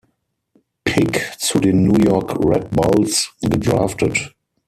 Pick zu den New York Red Bulls gedraftet.